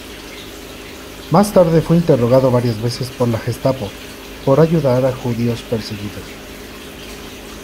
Más tarde fue interrogado varias veces por la Gestapo "por ayudar a judíos perseguidos".